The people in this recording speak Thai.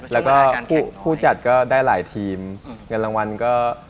แล้วก็ผู้จัดก็ได้หลายทีมเงินรางวัลก็